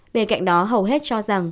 bên cạnh đó hầu hết cho rằng